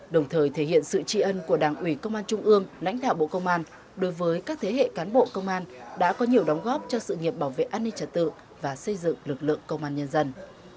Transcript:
đồng thời thể hiện sự tri ân của đảng ủy công an trung ương lãnh đạo bộ công an đối với các thế hệ cán bộ công an đã có nhiều đóng góp cho sự nghiệp bảo vệ an ninh trật tự và xây dựng lực lượng công an nhân dân